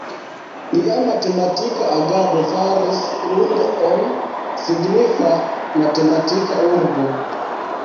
Lia matematika agado faris Lund-on signifa matematika urbo.